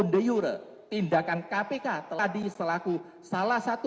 dan dihukum di negara